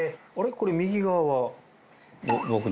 これ右側は？